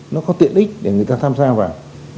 nó có tiện đích để người ta tham gia vào